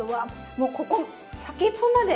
もうここ先っぽまで。